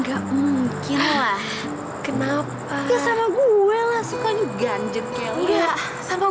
hadapin aja kali kenyataan